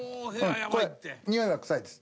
これにおいは臭いです」